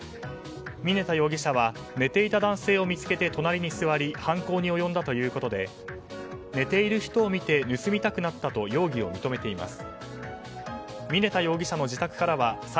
峯田容疑者は寝ていた男性を見つけて隣に座り犯行に及んだということで寝ている人を見て盗みたくなったと容疑を認めています。